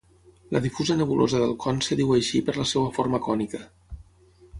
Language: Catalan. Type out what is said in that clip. La difusa nebulosa del con es diu així per la seva forma cònica.